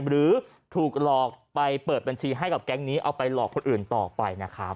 หรือถูกหลอกไปเปิดบัญชีให้กับแก๊งนี้เอาไปหลอกคนอื่นต่อไปนะครับ